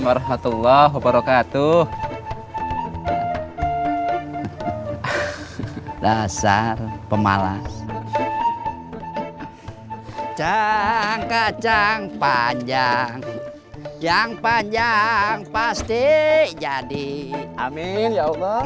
warahmatullah wabarakatuh dasar pemalas jangka jangka panjang yang panjang pasti jadi amin ya allah